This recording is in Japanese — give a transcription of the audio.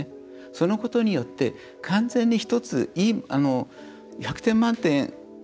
そのことによって完全に１つ１００点満点、取れる。